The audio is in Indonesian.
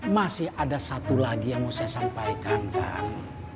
masih ada satu lagi yang mau saya sampaikan kan